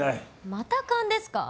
また勘ですか？